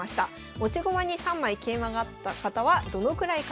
持ち駒に３枚桂馬があった方はどのくらい勝てるのか。